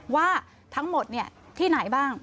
ว่าทั้งหมดที่ไหนบ้าง